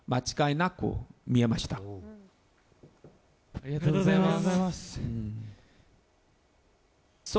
ありがとうございます。